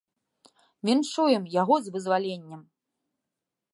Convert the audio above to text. Віншуем яго з вызваленнем.